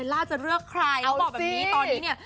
ล่าจะเลือกใครเขาบอกแบบนี้ตอนนี้เนี่ย